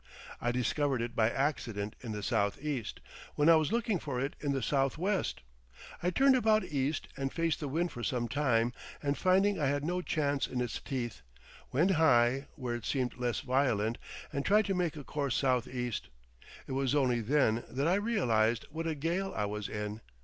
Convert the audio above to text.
I discovered it by accident in the southeast, when I was looking for it in the southwest. I turned about east and faced the wind for some time, and finding I had no chance in its teeth, went high, where it seemed less violent, and tried to make a course southeast. It was only then that I realised what a gale I was in.